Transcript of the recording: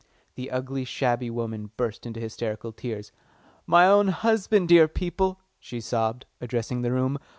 The ugly, shabby woman burst into hysterical tears. "My own husband, dear people," she sobbed, addressing the room.